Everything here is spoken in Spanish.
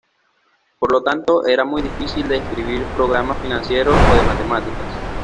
Por lo tanto era muy difícil de escribir programas financieros o de matemáticas.